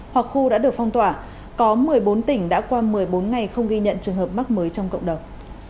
hoặc khu đã được phong tỏa có một mươi bốn tỉnh đã qua một mươi bốn ngày không ghi nhận trường hợp mắc mới trong cộng đồng